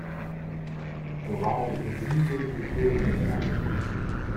So war er in Wien gegen die Türken dabei.